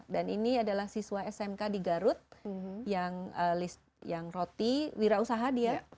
dan ini adalah siswa smk di garut yang roti wirausaha dia